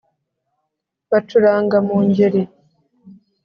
. Bacuranga mu Ngeri